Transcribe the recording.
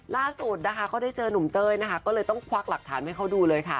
ล่าสุดนะคะก็ได้เจอหนุ่มเต้ยนะคะก็เลยต้องควักหลักฐานให้เขาดูเลยค่ะ